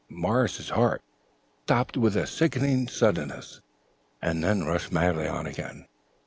Morris's heart stopped with a sickening suddenness and then rushed madly on again.